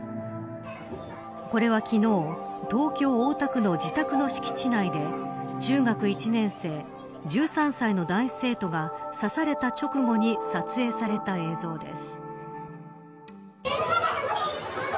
これは昨日東京、大田区の自宅の敷地内で中学１年生１３歳の男子生徒が刺された直後に撮影された映像です。